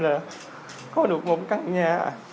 là có được một căn nhà